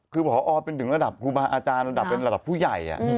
คือผอเป็นถึงระดับครูบาหาอาจารย์ระดับผู้ใหญ่